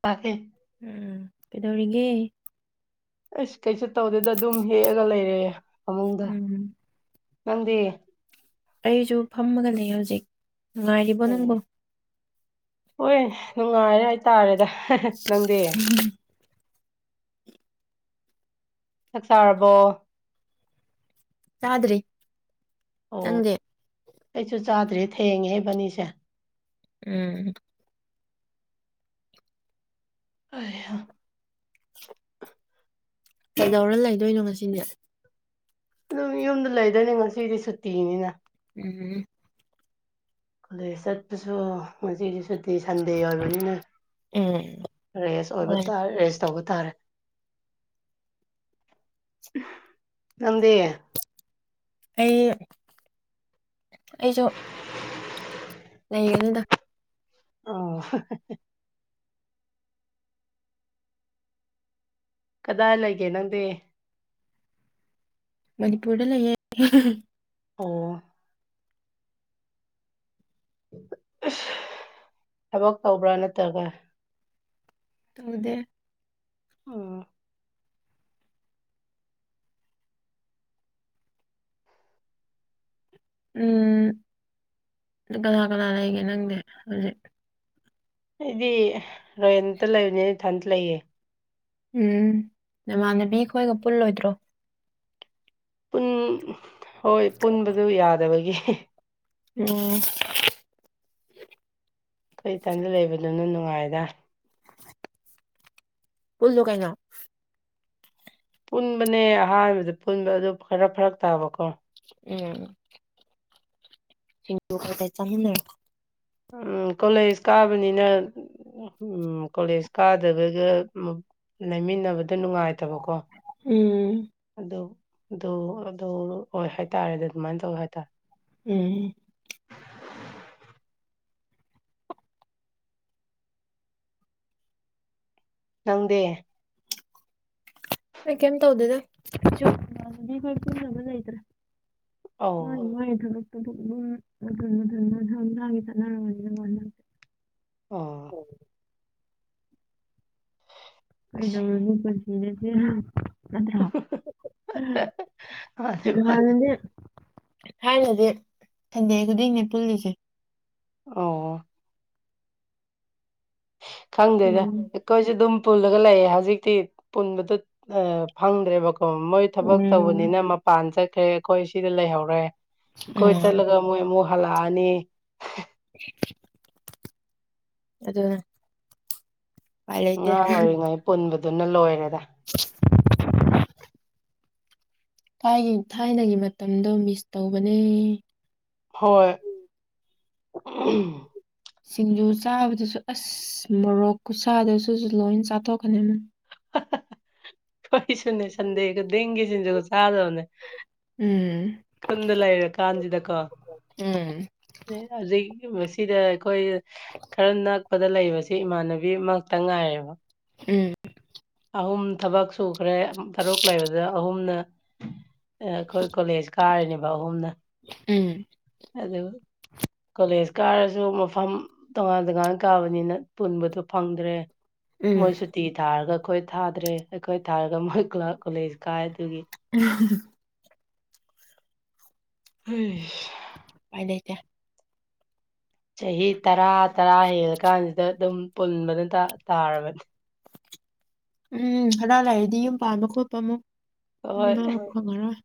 ꯇꯥꯗꯦ ꯎꯝ ꯀꯩꯗꯧꯔꯤꯒꯦ ꯑꯩꯁ ꯀꯩꯁꯨ ꯇꯧꯗꯦꯗ ꯑꯗꯨꯝ ꯍꯤꯞꯄꯒ ꯂꯩꯔꯦ ꯐꯃꯨꯡꯗ ꯎꯝ ꯅꯪꯗꯤ ꯑꯩꯁꯨ ꯐꯝꯃꯒ ꯂꯩꯌꯦ ꯍꯧꯖꯤꯛ ꯅꯨꯡꯉꯥꯏꯔꯤꯕꯣ ꯑꯦ ꯅꯪꯕꯣ ꯍꯣꯏ ꯅꯨꯡꯉꯥꯏꯔꯦ ꯍꯥꯏꯇꯥꯔꯦꯗ ꯅꯪꯗꯤ ꯎꯝ ꯆꯥꯛ ꯆꯥꯔꯕꯣ ꯆꯥꯗ꯭ꯔꯤ ꯑꯣ ꯅꯡꯗꯤ ꯑꯩꯁꯨ ꯆꯥꯗ꯭ꯔꯤ ꯊꯦꯡꯉꯦ ꯏꯕꯥꯅꯤꯁꯦ ꯎꯝ ꯍꯩ ꯍꯥ ꯀꯩꯗꯧꯔ ꯂꯩꯗꯣꯏꯅꯣ ꯉꯁꯤꯅ ꯑꯗꯨꯝ ꯌꯨꯝꯗ ꯂꯩꯗꯣꯏꯅꯤ ꯉꯁꯤꯗꯤ ꯁꯨꯇꯤꯅꯤꯅ ꯎꯝ ꯀꯣꯂꯦꯖ ꯆꯠꯄꯁꯨ ꯉꯁꯤꯗꯤ ꯁꯨꯇꯤ ꯉꯁꯤꯗꯤ ꯁꯟꯗꯦ ꯑꯣꯏꯕꯅꯤꯅ ꯎꯝ ꯔꯦꯁ ꯍꯣꯏ ꯑꯣꯏꯕ ꯔꯦꯁ ꯇꯧꯕ ꯐꯔꯦ ꯅꯡꯗꯤ ꯑꯩ ꯑꯩꯁꯨ ꯂꯩꯒꯅꯤꯗ ꯑꯣ ꯀꯗꯥꯏ ꯂꯩꯒꯦ ꯅꯪꯗꯤ ꯃꯅꯤꯄꯨꯔꯗ ꯂꯩꯌꯦ ꯑꯣ ꯏꯁ ꯊꯕꯛ ꯇꯧꯕ꯭ꯔꯥ ꯅꯠꯇ꯭ꯔꯒ ꯇꯧꯗꯦ ꯑꯣ ꯎꯝ ꯀꯅꯥ ꯀꯅꯥ ꯂꯩꯒꯦ ꯅꯪꯗꯤ ꯍꯧꯖꯤꯛ ꯑꯩꯗꯤ ꯔꯦꯟꯇ ꯂꯩꯕꯅꯤ ꯏꯊꯟꯇ ꯂꯩꯌꯦ ꯎꯝ ꯅꯃꯥꯟꯅꯕꯤꯈꯣꯏꯒ ꯄꯨꯜꯂꯣꯏꯗ꯭ꯔꯣ ꯄꯨꯟ ꯍꯣꯏ ꯄꯨꯟꯕꯗꯨ ꯌꯥꯗꯕꯒꯤ ꯎꯝ ꯑꯩ ꯏꯊꯟꯗ ꯂꯩꯕꯗꯨꯅ ꯅꯨꯡꯉꯥꯏꯗ ꯄꯨꯜꯂꯨ ꯀꯩꯅꯣ ꯄꯨꯟꯕꯅꯦ ꯑꯍꯥꯟꯕꯗ ꯄꯨꯟꯕ ꯑꯗꯨ ꯈꯔ ꯐꯔꯛ ꯇꯥꯕꯀꯣ ꯎꯝ ꯁꯤꯡꯖꯨ ꯈꯔ ꯆꯥꯃꯤꯟꯅꯧ ꯎꯝ ꯀꯣꯂꯦꯖ ꯀꯥꯕꯅꯤꯅ ꯎꯝ ꯀꯣꯂꯦꯖ ꯀꯥꯗꯕꯒ ꯂꯩꯃꯤꯟꯅꯕꯗ ꯅꯨꯡꯉꯥꯏ ꯇꯕ ꯀꯣ ꯎꯝ ꯑꯗꯨ ꯑꯗꯨ ꯑꯗꯨ ꯑꯣꯏ ꯍꯥꯏꯇꯥꯔꯦ ꯑꯗꯨꯃꯥꯏꯅ ꯇꯧꯋꯦ ꯍꯥꯏꯇꯥꯔꯦ ꯎꯝ ꯅꯪꯗꯤ ꯑꯩ ꯀꯩꯝ ꯇꯧꯗꯦꯗ꯭ꯔ ꯏꯃꯥꯟꯅꯕꯤ ꯄꯨꯟꯅꯕ ꯂꯩꯇꯔꯦ ꯑꯧ ꯃꯁꯥ ꯃꯁꯥ ꯒꯤ ꯊꯕꯛ ꯆꯠꯃꯤꯟꯅꯩ ꯑꯣ ꯎꯝ ꯀꯩꯗꯧꯔꯅꯤ ꯄꯨꯟꯁꯤꯁꯦ ꯅꯠꯇꯔꯣ ꯃꯥꯅꯦ ꯃꯥꯅꯦ ꯍꯟꯅꯗꯤ ꯊꯥꯏꯅꯗꯤ ꯁꯟꯗꯦ ꯈꯨꯗꯤꯡꯒꯤꯅꯦ ꯄꯨꯜꯂꯤꯁꯦ ꯑꯣ ꯈꯪꯗꯦꯗ ꯎꯝ ꯑꯩꯈꯣꯏꯁꯨꯦ ꯑꯗꯨꯝ ꯄꯨꯜꯂꯒ ꯂꯩꯑꯦ ꯍꯧꯖꯤꯛꯇꯤ ꯄꯨꯟꯕꯗ ꯐꯪꯗ꯭ꯔꯦꯕꯀꯣ ꯃꯣꯏ ꯊꯕꯛ ꯎꯝ ꯇꯧꯕꯅꯤꯅ ꯃꯄꯥꯟ ꯆꯠꯈ꯭ꯔꯦ ꯑꯩꯈꯣꯏ ꯁꯤꯗ ꯂꯩꯍꯧꯔꯦ ꯑꯩꯈꯣꯏ ꯆꯠꯂꯒ ꯃꯣꯏꯃꯨ ꯍꯜꯂꯑꯅꯤ ꯎ ꯑꯗ ꯑꯉꯥꯡ ꯑꯣꯏꯔꯤꯉꯩ ꯄꯨꯟꯕꯗꯨꯅ ꯂꯣꯏꯔꯦꯗ [unintelligible] ꯊꯥꯏꯒꯤ ꯊꯥꯏꯅꯒꯤ ꯃꯇꯝꯗꯣ ꯃꯤꯁ ꯇꯧꯕꯅꯦ ꯍꯣꯏ ꯁꯤꯡꯖꯨ ꯆꯥꯕꯗꯁꯨ ꯑꯁ ꯃꯣꯔꯣꯛ ꯈꯨꯠꯁꯥꯗꯁꯨꯁꯨ ꯂꯣꯏ ꯆꯥꯊꯣꯛꯀꯅꯤ ꯃ ꯀꯣꯏꯁꯨꯅꯤ ꯁꯟꯗꯦꯈ ꯗꯦꯡꯒꯦ ꯁꯤꯖ ꯆꯥꯗꯅꯦ ꯎꯝ ꯈꯨꯟꯗ ꯂꯩꯔꯀꯥꯟꯁꯤꯗꯀꯣ ꯎꯝ ꯑꯗꯨ ꯃꯁꯤꯗ ꯑꯩꯈꯣꯏ ꯈꯔ ꯅꯛꯄꯗ ꯂꯩꯕꯕꯁꯤ ꯏꯃꯥꯟꯅꯕꯤꯃꯛꯇ ꯉꯥꯏꯌꯦꯕ ꯎꯝ ꯑꯍꯨꯝ ꯊꯕꯛ ꯁꯨꯈ꯭ꯔꯦ ꯇꯔꯨꯛ ꯂꯩꯕꯗ ꯑꯍꯨꯝꯅ ꯑꯩꯈꯣꯏ ꯀꯣꯂꯦꯖ ꯀꯥꯔꯅꯦꯕ ꯑꯍꯨꯝꯅ ꯎꯝ ꯑꯗ ꯀꯣꯂꯦꯖ ꯀꯥꯔꯁꯨ ꯃꯐꯝ ꯇꯣꯉꯥꯟ ꯇꯣꯉꯥꯟ ꯀꯥꯕꯅꯤꯅ ꯄꯨꯟꯕꯗꯣ ꯐꯪꯗ꯭ꯔꯦ ꯎꯝ ꯃꯣꯏ ꯁꯨꯇꯤ ꯊꯥꯔꯒ ꯑꯩꯈꯣꯏ ꯊꯥꯗ꯭ꯔꯦ ꯑꯩꯈꯣꯏ ꯊꯥꯔꯒ ꯃꯣꯏ ꯀꯣꯂꯦꯖ ꯀꯥꯏ ꯑꯗꯨꯒꯤ ꯎꯝ ꯎꯝ ꯎꯝ ꯄꯥꯏ ꯂꯩꯇꯦ ꯆꯍꯤ ꯇꯔꯥ ꯇꯔꯥ ꯍꯦꯜꯂ ꯀꯥꯟꯁꯤꯗ ꯑꯗꯨꯝ ꯄꯨꯟꯕꯅ ꯇꯥꯔꯕꯅꯤ ꯎꯝ ꯍꯔꯥꯡ ꯂꯥꯏꯔꯤꯗꯤ ꯌꯨꯝ ꯄꯥꯟꯕ ꯈꯣꯠꯄ ꯑꯃꯨꯛ ꯍꯣꯏ ꯑꯗꯨ ꯐꯪꯉꯔꯣꯏ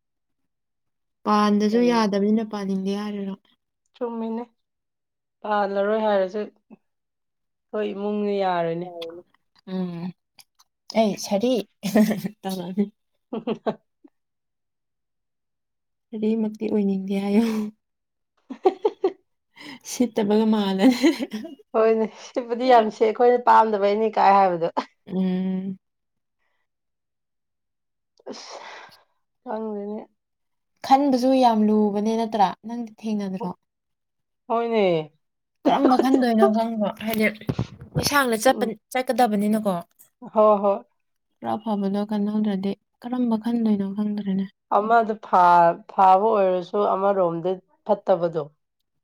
ꯄꯥꯟꯗꯁꯨ ꯀꯩꯅꯣ ꯌꯥꯗꯕꯅꯤꯅ ꯄꯥꯅꯤꯡꯗꯦ ꯌꯥꯔꯔꯣ ꯆꯨꯝꯃꯤꯅꯦ ꯄꯥꯜꯂꯔꯣꯏ ꯍꯥꯏꯔꯁꯨ ꯍꯣꯏ ꯏꯃꯨꯡꯅꯤ ꯌꯥꯔ ꯎꯝ ꯑꯦ ꯁꯔꯤ ꯎ ꯑꯃꯛꯇꯤ ꯑꯣꯏꯅꯤꯡꯗꯦ ꯍꯥꯏꯌ ꯁꯤꯠꯇꯕꯒ ꯃꯥꯜꯅꯅꯦ ꯍꯣꯏꯅꯦ ꯁꯤꯕꯨꯗꯤ ꯌꯥꯝ ꯁꯦ ꯑꯩꯈꯣꯏꯅ ꯄꯥꯝꯗꯕꯩꯅꯤ ꯀꯥꯏ ꯍꯥꯏꯕꯗꯣ ꯎꯝ ꯑꯁ ꯈꯪꯗꯅꯤ ꯈꯟꯕꯁꯨ ꯌꯥꯝ ꯂꯨꯕꯅꯦ ꯅꯠꯇ꯭ꯔꯥ ꯅꯪꯗꯤ ꯊꯦꯡꯅꯗ꯭ꯔꯣ ꯍꯅꯦ ꯀꯔꯝꯕ ꯈꯟꯗꯣꯏꯅꯣ ꯈꯪꯕꯣ ꯍꯥꯏꯗꯤ ꯌꯦꯁꯥꯡꯗꯠꯄ ꯎꯝ ꯆꯠꯀꯗꯕꯅꯤꯅꯀꯣ ꯍꯣꯏ ꯍꯣꯏ ꯈꯔꯥ ꯐꯕꯗꯣ ꯀꯟꯍꯧꯗ꯭ꯔꯗꯤ ꯀꯔꯝꯕ ꯈꯟꯗꯣꯏꯅꯣ ꯈꯪꯗ꯭ꯔꯦꯅꯦ ꯑꯃꯗꯣ ꯐꯥꯕ ꯑꯣꯏꯔꯁꯨ ꯑꯃꯔꯣꯝꯗ ꯐꯠꯇꯕꯗꯣ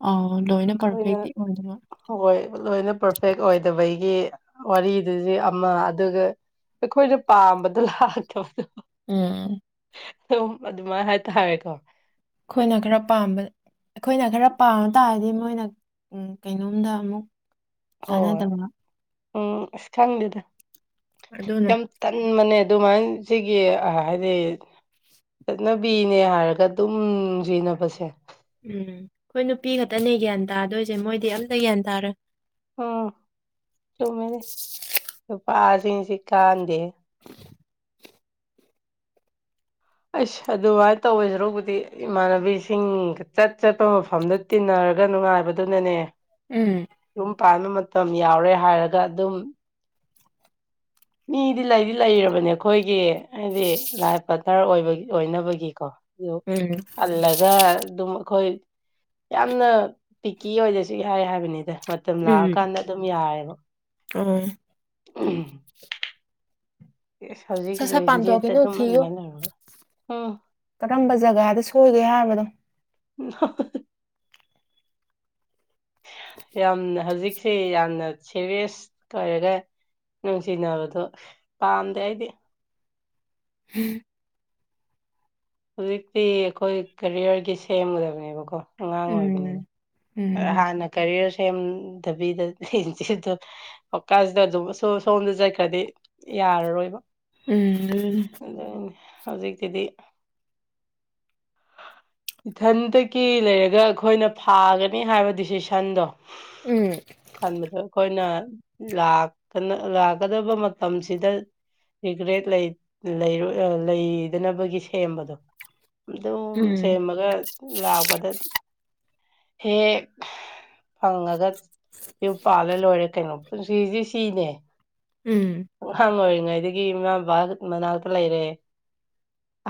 ꯑꯥꯎ ꯂꯣꯏꯅ ꯑꯩꯈꯣꯏꯅ ꯄꯔꯐꯦꯛꯇꯤ ꯑꯣꯏꯗꯕ ꯍꯣꯏ ꯂꯣꯏꯅ ꯄꯔꯐꯦꯛ ꯑꯣꯏꯗꯕꯒꯤ ꯋꯥꯔꯤꯗꯨꯗꯤ ꯑꯃ ꯑꯗꯨꯒ ꯑꯩꯈꯣꯏꯅ ꯄꯥꯝꯕꯗꯣ ꯂꯥꯛꯇꯕꯗꯣ ꯎꯝ ꯑꯗꯨꯝ ꯑꯗꯨꯃꯥꯏꯅ ꯍꯥꯏꯇꯥꯔꯦꯀꯣ ꯑꯩꯈꯣꯏꯅ ꯈꯔ ꯄꯥꯝꯕ ꯑꯩꯈꯣꯏꯅ ꯈꯔ ꯄꯥꯝꯕ ꯇꯥꯔꯗꯤ ꯃꯣꯏꯅ ꯀꯩꯅꯣꯝꯗ ꯑꯃꯨꯛ ꯍꯣꯏ ꯆꯥꯟꯅꯗꯕ ꯎꯝ ꯑꯁ ꯈꯪꯗꯦꯗ ꯑꯗꯨꯅ ꯌꯥꯝ ꯇꯟꯕꯅꯦ ꯑꯗꯨꯃꯥꯏꯅ ꯁꯤꯒꯤ ꯑꯥ ꯍꯥꯏꯗꯤ ꯆꯠꯅꯕꯤꯅꯦ ꯍꯥꯏꯔꯒ ꯑꯗꯨꯝ ꯌꯦꯅꯕꯁꯦ ꯎꯝ ꯑꯩꯈꯣꯏ ꯅꯨꯄꯤ ꯈꯛꯇꯅꯦ ꯒ꯭ꯌꯥꯟ ꯇꯥꯗꯣꯏꯁꯦ ꯃꯣꯏꯗꯤ ꯑꯝꯇ ꯒ꯭ꯌꯥꯟ ꯇꯥꯔꯦꯏ ꯎꯝ ꯆꯨꯝꯃꯦ ꯅꯨꯄꯥꯁꯤꯡꯁꯤ ꯀꯥꯟꯗꯦ ꯑꯁ ꯑꯗꯨꯃꯥꯏꯅ ꯇꯧꯕꯩ ꯁꯔꯨꯛꯕꯨꯗꯤ ꯏꯃꯥꯟꯅꯕꯤꯁꯤꯡ ꯆꯠ ꯆꯠꯄ ꯃꯐꯝꯗ ꯇꯤꯟꯅꯔꯒ ꯅꯨꯡꯉꯥꯏꯕꯗꯨꯅꯅꯦ ꯎꯝ ꯌꯨꯝ ꯄꯥꯟꯕ ꯃꯇꯝ ꯌꯥꯎꯔꯦ ꯍꯥꯏꯔꯒ ꯑꯗꯨꯝ ꯃꯤꯗꯤ ꯂꯩꯗꯤ ꯂꯩꯔꯕꯅꯦ ꯑꯩꯈꯣꯏꯒꯤ ꯍꯥꯏꯗꯤ ꯂꯥꯏꯐ ꯄꯥꯠꯅꯟ ꯑꯣꯏꯕꯥ ꯑꯣꯏꯅꯕꯒꯤꯀꯣ ꯌꯦ ꯎꯝ ꯍꯜꯂꯒ ꯑꯗꯨꯝ ꯑꯩꯈꯣꯏ ꯌꯥꯝꯅ ꯄꯤꯀꯤ ꯑꯣꯏꯗꯁꯨ ꯌꯥꯏ ꯍꯥꯏꯕꯅꯤꯗ ꯃꯇꯝ ꯎꯝ ꯂꯥꯛꯑꯀꯥꯟꯗ ꯑꯗꯨꯝ ꯌꯥꯔꯦꯕ ꯑꯣ ꯎꯝ ꯁꯠ ꯍꯧꯖꯤꯛꯀꯤ ꯁꯠ ꯂꯟꯖꯦꯠꯇ ꯄꯥꯝꯊꯣꯛꯈꯤꯅꯨ ꯑꯗꯨꯝꯃꯥꯏ ꯊꯤꯌꯨ ꯃꯅꯔꯒ ꯎꯝ ꯀꯔꯝꯕ ꯖꯒꯥꯗ ꯁꯣꯏꯒꯔ ꯍꯥꯏꯕꯅꯣ [unintelligible] ꯌꯥꯝꯅ ꯍꯧꯖꯤꯛꯁꯤ ꯌꯥꯝꯅ ꯁꯦꯔꯤꯌꯁ ꯑꯣꯏꯔꯒ ꯅꯨꯡꯁꯤꯅꯕꯗꯣ ꯄꯥꯝꯗꯦ ꯑꯩꯗꯤ [unintelligible] ꯍꯧꯖꯤꯛꯇꯤ ꯑꯩꯈꯣꯏ ꯀꯦꯔꯤꯌꯔꯒꯤ ꯁꯦꯝꯒꯗꯕꯅꯦꯕꯀꯣ ꯑꯉꯥꯡ ꯑꯣꯏꯕꯅꯤꯅ ꯎꯝ ꯎꯝ ꯍꯥꯟꯅ ꯀꯔꯤꯌꯔ ꯁꯦꯝꯗꯕꯤꯗ [unintelligible] ꯋꯥꯈꯜꯁꯤꯗ ꯑꯗꯨꯝ ꯁꯣꯝ ꯁꯣꯝꯗ ꯆꯠꯈ꯭ꯔꯗꯤ ꯌꯥꯔꯔꯣꯏꯕ ꯎꯝ ꯑꯗꯨꯅꯤ ꯍꯧꯖꯤꯛꯀꯤꯗꯤ ꯏꯊꯟꯇꯗꯒꯤ ꯂꯩꯔꯒ ꯑꯩꯈꯣꯏꯅ ꯐꯥꯒꯅꯤ ꯍꯥꯏꯕ ꯗꯤꯁꯤꯁꯟꯗꯣ ꯎꯝ ꯇꯟꯕꯗꯣ ꯑꯩꯈꯣꯏꯅ ꯂꯥꯛꯇꯥꯅ ꯂꯥꯛꯀꯗꯕꯥ ꯃꯇꯝꯁꯤꯗ ꯔꯤꯒ꯭ꯔꯦꯠ ꯂꯩ ꯂꯩꯔꯣ ꯂꯩꯗꯅꯕꯒꯤ ꯁꯦꯝꯕꯗꯣ ꯑꯗꯨꯝ ꯎꯝ ꯁꯦꯝꯃꯒ ꯂꯥꯛꯄꯗ ꯍꯦꯛ ꯐꯪꯉꯒ ꯌꯨꯝ ꯄꯥꯜꯂ ꯂꯣꯏꯔꯦ ꯀꯩꯅꯣ ꯄꯨꯟꯁꯤꯁꯤ ꯁꯤꯅꯦ ꯎꯝ ꯑꯉꯥꯡ ꯑꯣꯏꯔꯤꯉꯩꯗꯒꯤ ꯏꯃꯥ ꯕꯥꯕꯥ ꯃꯅꯥꯛꯇ ꯂꯩꯔꯦ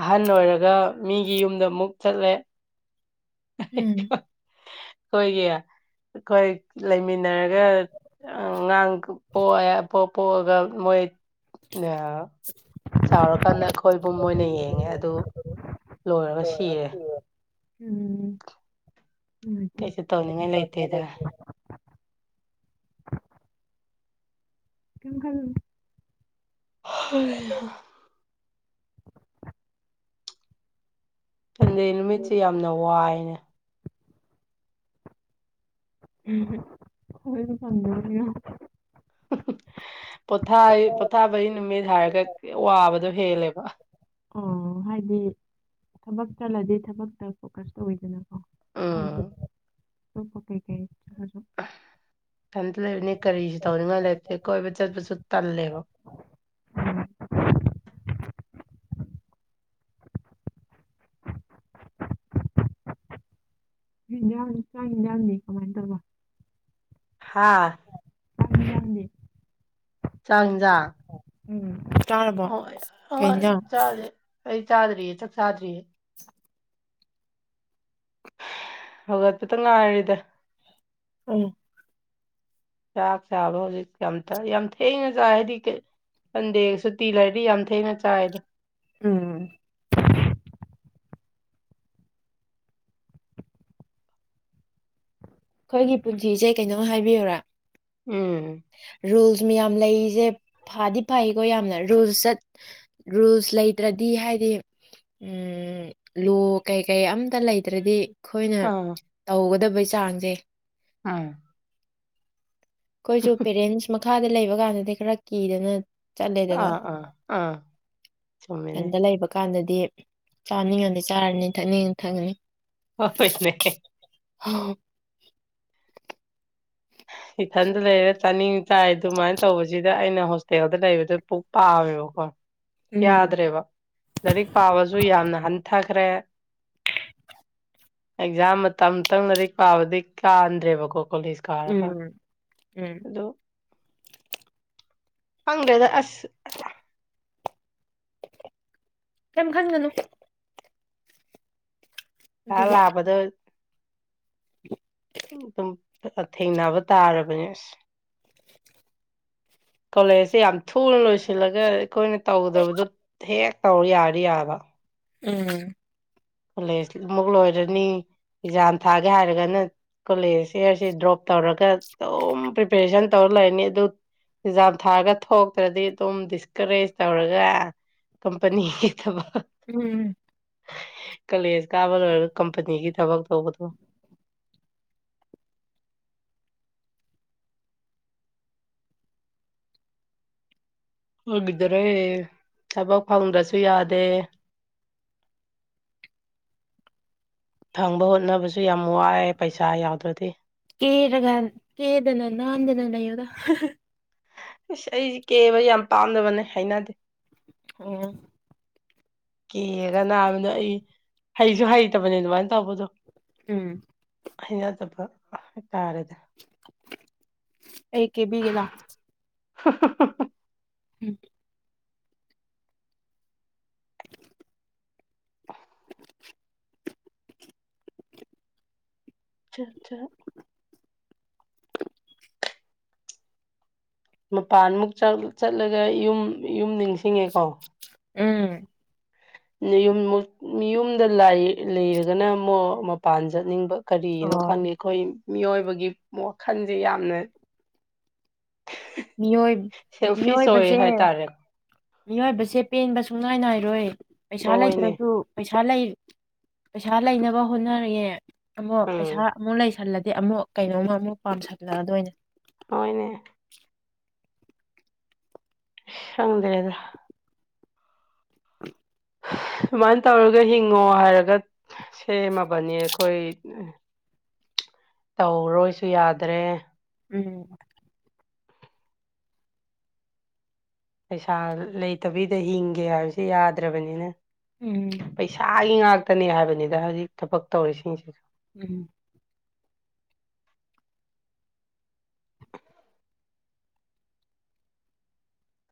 ꯑꯍꯟ ꯑꯣꯏꯔꯛ ꯒ ꯃꯤꯒꯤ ꯌꯨꯝꯗ ꯑꯃꯨꯛ ꯆꯠꯂꯦ ꯎꯝ ꯑꯩꯈꯣꯏꯒꯤ ꯑꯩꯈꯣꯏ ꯂꯩꯃꯤꯟꯅꯔꯒ ꯑꯥ ꯑꯉꯥꯡ ꯄꯣꯛꯑ ꯄꯣꯛ ꯄꯣꯛꯑꯒ ꯃꯣꯏꯅ ꯆꯥꯎꯔꯀꯥꯟꯗ ꯑꯩꯈꯣꯏꯕꯨ ꯃꯣꯏꯅ ꯌꯦꯡꯉꯦ ꯑꯗꯨ ꯂꯣꯏꯔꯒ ꯁꯤꯔꯦ ꯎꯝ ꯅꯨꯡꯉꯥꯏꯇꯦ ꯀꯩꯁꯨ ꯇꯧꯅꯤꯡꯉꯥꯏ ꯂꯩꯇꯦꯗ ꯀꯩꯝ ꯈꯜꯂꯨꯅꯨ [unintelligible] ꯁꯟꯗꯦ ꯅꯨꯃꯤꯠꯁꯦ ꯌꯥꯝꯅ ꯋꯥꯏꯅꯦ ꯎꯝ ꯍꯝ ꯑꯩꯖꯨ ꯁꯟꯗꯦꯁꯦ ꯌꯥꯝ ꯄꯣꯊꯥꯏ ꯄꯣꯊꯥꯕꯩ ꯅꯨꯃꯤꯠ ꯍꯥꯏꯔꯒ ꯋꯥꯕꯗꯣ ꯍꯦꯜꯂꯦꯕ ꯎꯝ ꯍꯥꯏꯗꯤ ꯊꯕꯛ ꯆꯠꯂꯗꯤ ꯊꯕꯛꯇ ꯐꯣꯀꯁ ꯇꯧꯋꯤꯗꯅꯀꯣ ꯎꯝ ꯑꯗꯨꯕꯨꯀꯀꯩ ꯏꯊꯟꯇ ꯂꯩꯕꯅꯤꯅ ꯀꯔꯤꯁꯨ ꯇꯧꯅꯤꯡꯉꯥꯏ ꯂꯩꯇꯦ ꯀꯣꯏꯕ ꯆꯠꯄꯁꯨ ꯇꯜꯂꯦꯕ ꯌꯥꯝ ꯆꯅꯤ ꯌꯥꯅꯤ ꯀꯃꯥꯏꯅ ꯇꯔꯕ ꯍꯥꯥ ꯆꯥꯛ ꯍꯤꯟꯖꯥꯡꯗꯤ ꯇꯪꯖ [unintelligible] [unintelligible] ꯀꯩ ꯏꯟꯖꯥꯡ ꯑꯩ ꯆꯥꯗ꯭ꯔꯤꯌꯦ ꯆꯥꯛ ꯆꯥꯗ꯭ꯔꯤꯌꯦ ꯍꯧꯒꯠꯄꯗ ꯉꯥꯏꯔꯤꯗ ꯎꯝ ꯆꯥꯛ ꯆꯥꯕ ꯍꯧꯖꯤꯛ ꯌꯥꯝ ꯌꯥꯝ ꯊꯦꯡꯅ ꯆꯥꯏ ꯍꯥꯏꯗꯤ ꯁꯟꯗꯦ ꯁꯨꯇꯤ ꯂꯩꯔꯗꯤ ꯌꯥꯝ ꯊꯦꯡꯅ ꯆꯥꯏꯗ ꯎꯝ ꯑꯩꯈꯣꯏꯒꯤ ꯄꯨꯟꯁꯤꯁꯦ ꯀꯩꯅꯣꯝ ꯍꯥꯏꯕꯤꯌꯨꯔꯥ ꯎꯝ ꯔꯨꯜꯁ ꯃꯌꯥꯝ ꯂꯩꯔꯤꯁꯦ ꯐꯗꯤ ꯐꯩꯀꯣ ꯌꯥꯝꯅ ꯔꯨꯜꯁ ꯆꯠ ꯔꯨꯜꯁ ꯂꯩꯇ꯭ꯔꯗꯤ ꯍꯥꯏꯗꯤ ꯂꯣ ꯀꯩꯀꯩ ꯑꯝꯇ ꯂꯩꯗ꯭ꯔꯗꯤ ꯑꯩꯈꯣꯏꯅ ꯑꯥ ꯇꯧꯒꯗꯕꯩ ꯆꯥꯡꯁꯦ ꯑ ꯑꯩꯈꯣꯏꯁꯨ ꯄꯦꯔꯦꯟꯁ ꯃꯈꯥꯗ ꯂꯩꯕ ꯀꯥꯟꯗꯗꯤ ꯈꯔ ꯀꯤꯗꯅ ꯆꯠꯂꯦꯗꯅ ꯑꯥ ꯑꯥ ꯑꯥ ꯆꯨꯝꯃꯤꯅꯦ ꯏꯟꯗ ꯂꯩꯕ ꯀꯥꯟꯗꯗꯤ ꯆꯥꯅꯤꯡꯉꯗꯤ ꯆꯥꯔꯅꯤ ꯊꯛꯅꯤꯡꯉ ꯊꯛꯉꯅꯤ ꯍꯣꯏ ꯑ [unintelligible] ꯏꯊꯟꯗ ꯂꯩꯔ ꯆꯥꯅꯤꯡ ꯆꯥꯏ ꯑꯗꯨꯃꯥꯏꯅ ꯇꯧꯕꯁꯤꯗ ꯑꯩꯅ ꯇꯦꯗ ꯂꯩꯕꯗ ꯄꯨꯛ ꯄꯥꯋꯕꯀꯣ ꯎꯝ ꯌꯥꯗ꯭ꯔꯦꯕ ꯂꯥꯏꯔꯤꯛ ꯄꯥꯕꯁꯨ ꯌꯥꯝꯅ ꯍꯟꯊꯈ꯭ꯔꯦ ꯑꯦꯛꯖꯥꯝ ꯃꯇꯝꯇꯪ ꯂꯥꯏꯔꯤꯛ ꯄꯥꯕꯗꯤ ꯀꯥꯟꯗ꯭ꯔꯦꯕꯀꯣ ꯀꯣꯂꯦꯖ ꯀꯥꯔꯒ ꯎꯝ ꯎꯝ ꯈꯪꯗ꯭ꯔꯦꯗ ꯑꯁ ꯀꯩꯝ ꯈꯟꯒꯅꯨ ꯑ ꯑꯗꯨꯕꯨ ꯂꯥꯕꯗ ꯑꯗꯨꯝ ꯊꯦꯡꯅꯕ ꯇꯥꯔꯕꯅꯦ ꯑꯁ ꯀꯣꯂꯦꯖꯁꯦ ꯌꯥꯝ ꯊꯨꯅ ꯂꯣꯏꯁꯤꯜꯂꯒ ꯑꯩꯈꯣꯏꯅ ꯇꯧꯒꯗꯕꯗꯨꯣ ꯍꯦꯛ ꯇꯧ ꯌꯥꯔ ꯌꯥꯕ ꯎꯝ ꯀꯣꯂꯦꯖ ꯃꯨꯛ ꯂꯣꯏꯔꯅꯤ ꯑꯦꯛꯖꯥꯝ ꯊꯥꯒꯦ ꯍꯥꯏꯔꯒꯅ ꯀꯣꯂꯦꯖꯁꯦ ꯑꯁꯤ ꯗ꯭ꯔꯣꯞ ꯇꯧꯔꯒ ꯑꯗꯨꯝ ꯄ꯭ꯔꯤꯄꯦꯔꯦꯁꯟ ꯇꯧꯔ ꯂꯩꯔꯅꯤ ꯑꯗꯨ ꯑꯦꯛꯖꯥꯝ ꯊꯥꯔꯒ ꯊꯣꯛꯇ꯭ꯔꯗꯤ ꯑꯗꯨꯝ ꯗꯤꯁꯀꯔꯦꯖ ꯇꯧꯔꯒ ꯀꯝꯄꯅꯤꯒꯤ ꯊꯕ ꯎꯝ ꯀꯂꯦꯖ ꯀꯥꯕ ꯂꯣꯏꯔꯒ ꯀꯝꯄꯅꯤꯒꯤ ꯊꯕꯛ ꯇꯧꯕꯗꯣ ꯑꯣꯏꯈꯤꯗꯔꯦ ꯊꯕꯛ ꯐꯪꯗ꯭ꯔꯁꯨ ꯌꯥꯗꯦ [unintelligible] ꯐꯪꯕ ꯍꯣꯠꯅꯕꯁꯨ ꯌꯥꯝ ꯋꯥꯏꯑꯦ ꯄꯩꯁꯥ ꯌꯥꯎꯗ꯭ꯔꯗꯤ ꯀꯦꯔꯒꯥ ꯀꯦꯗꯅ ꯅꯥꯥꯟꯗꯅ ꯂꯩ ꯑꯣꯗ ꯑꯁ ꯑꯩꯁꯦ ꯀꯦꯕ ꯌꯥꯝ ꯄꯥꯝꯗꯕꯅꯦ ꯍꯥꯏꯅꯗꯦ ꯎꯝ ꯀꯦꯔꯒ ꯅꯥꯕꯅ ꯑꯩ ꯍꯩꯁꯨ ꯍꯩꯇꯕꯅꯦ ꯑꯗꯨꯃꯥꯏꯅ ꯇꯧꯕꯗꯣ ꯎꯝ ꯍꯩꯅꯗꯕ ꯍꯥꯢ ꯇꯥꯔꯦ ꯑꯩ ꯀꯦꯕꯤꯒꯦ ꯂꯥꯎ [unintelligible] ꯎꯝ ꯑꯆꯥꯆꯥ ꯃꯄꯥꯟꯃꯨꯛ ꯆꯠꯂꯒ ꯌꯨꯝ ꯌꯨꯝ ꯅꯤꯡꯁꯤꯡꯉꯦꯀꯣ ꯎꯝ ꯌꯨꯝ ꯌꯨꯝꯗ ꯂꯩꯔꯒꯅ ꯑꯃꯨꯛ ꯃꯄꯥꯟ ꯆꯠꯅꯤꯡꯕ ꯀꯔꯤꯅꯣ ꯈꯪꯗꯦ ꯑꯣ ꯑꯩꯈꯣꯏ ꯃꯤꯑꯣꯏꯕꯒꯤ ꯋꯥꯈꯜꯁꯦ ꯌꯥꯝꯅ ꯃꯤꯑꯣꯏ ꯁꯦꯜꯐꯤꯁ ꯑꯣꯏ ꯃꯤꯑꯣꯏꯕꯖꯦ ꯍꯥꯏꯇꯥꯔꯦ ꯃꯤꯑꯣꯏꯕꯁꯦ ꯄꯦꯟꯕ ꯁꯨꯡꯉꯥꯏ ꯅꯥꯏꯔꯣꯏ ꯄꯩꯁꯥ ꯍꯣꯏꯅꯦ ꯂꯩꯇ꯭ꯔꯁꯨ ꯄꯩꯁꯥ ꯄꯩꯁꯥ ꯂꯩꯅꯕ ꯍꯣꯠꯅꯔꯛꯑꯦ ꯑꯃꯨꯛ ꯄꯩꯁꯥ ꯎꯝ ꯑꯃꯨꯛ ꯂꯩꯁꯜꯂꯗꯤ ꯑꯃꯨꯛ ꯀꯩꯅꯣꯝꯃ ꯑꯃꯨꯛ ꯄꯥꯝꯁꯜꯂꯛꯑꯗꯣꯏꯅꯦ ꯍꯣꯏꯅꯦ ꯈꯪꯗ꯭ꯔꯦꯗ ꯑ ꯁꯨꯃꯥꯏꯅ ꯇꯧꯔꯒ ꯍꯤꯡꯉꯣ ꯍꯥꯏꯔꯒ ꯁꯦꯝꯃꯕꯅꯤ ꯑꯩꯈꯣꯏ ꯇꯧꯔꯣꯏꯁꯨ ꯌꯥꯗ꯭ꯔꯦ ꯎꯝ ꯄꯩꯁꯥ ꯂꯩꯇꯕꯤꯗ ꯍꯤꯡꯒꯦ ꯍꯥꯏꯕꯁꯨ ꯌꯥꯗ꯭ꯔꯕꯅꯤꯅ ꯎꯝ ꯄꯩꯁꯥꯒꯤ ꯉꯥꯛꯇꯅꯦ ꯍꯥꯏꯕꯅꯤꯗ ꯍꯧꯖꯤꯛ ꯊꯕꯛ ꯇꯧꯔꯤꯁꯤꯡꯁꯤꯁꯨ ꯎꯝ